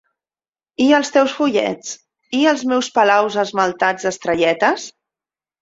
I els teus follets? I els meus palaus esmaltats d'estrelletes?